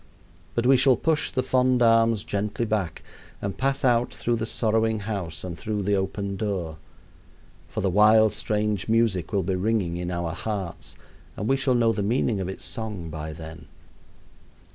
But we shall push the fond arms gently back and pass out through the sorrowing house and through the open door. For the wild, strange music will be ringing in our hearts, and we shall know the meaning of its song by then.